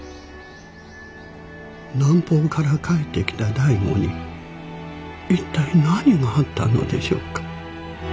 南方から帰ってきた醍醐に一体何があったのでしょうか？